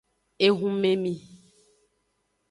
Ehumemi.